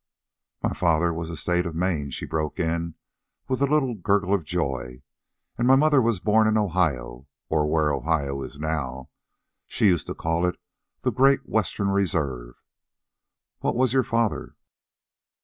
"My father was 'State of Maine," she broke in, with a little gurgle of joy. "And my mother was born in Ohio, or where Ohio is now. She used to call it the Great Western Reserve. What was your father?"